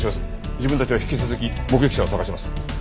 自分たちは引き続き目撃者を捜します。